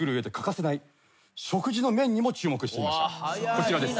こちらです。